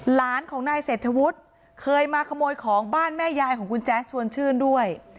หลานของนายเศรษฐวุฒิเคยมาขโมยของบ้านแม่ยายของคุณแจ๊สชวนชื่นด้วย